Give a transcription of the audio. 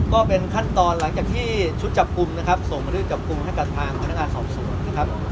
ก็เป็นขั้นตอนหลังจากที่ชุดจับกลุ่มนะครับส่งมาด้วยจับกลุ่มให้กับทางพนักงานสอบสวนนะครับ